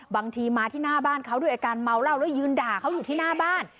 บางทีมาที่หน้าบ้านเขาด้วยอาการเมาเหล้าแล้วยืนด่าเขาอยู่ที่หน้าบ้าน